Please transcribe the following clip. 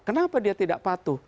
kenapa dia tidak patuh